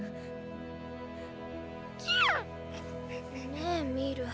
ねえミール